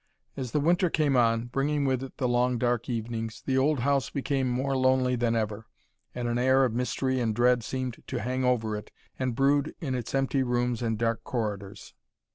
As the winter came on, bringing with it the long dark evenings, the old house became more lonely than ever, and an air of mystery and dread seemed to hang over it and brood in its empty rooms and dark corridors.